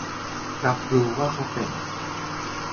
รับรู้ว่าเขาเป็น